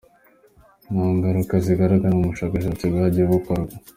Nta ngaruka ziragaragara mu bushakashatsi bwagiye bukorwa.